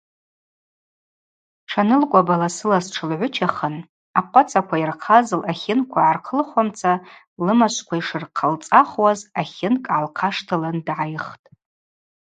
Тшанылкӏваба ласылас тшылгӏвычахын ахъвацаква йырхъаз лъатлынква гӏархъылххуамца лымачвква йшырхъалцӏахуаз ъатлынкӏ гӏалхъаштылын дгӏайхтӏ.